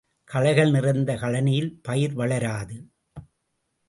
களைகள் நிறைந்த கழனியில் பயிர் வளராது.